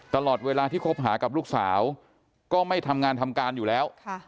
ตลอดเวลาที่คบหากับลูกสาวก็ไม่ทำงานทำการอยู่แล้ว